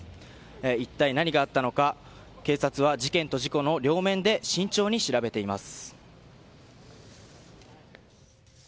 一体何があったのか警察は事件と事故の両面で慎重に調べています。